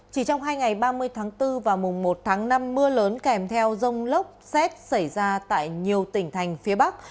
chỉ trong hai ngày ba mươi tháng bốn và mùng một tháng năm mưa lớn kèm theo rông lốc xét xảy ra tại nhiều tỉnh thành phía bắc